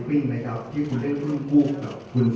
คุณซูจีเป็นผู้หญิงที่